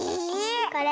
これ？